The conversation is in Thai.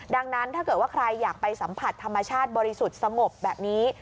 ดังนั้นถ้าเกิดว่าใครอยากไปสัมผัสธรรมชาติบริสุทธิ์สงบแบบนี้